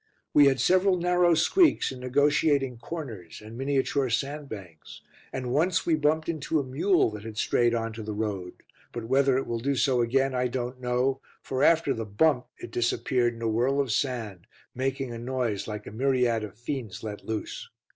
We had several narrow squeaks in negotiating corners and miniature sand banks, and once we bumped into a mule that had strayed on to the road but whether it will do so again I don't know, for after the bump it disappeared in a whirl of sand, making a noise like a myriad of fiends let loose.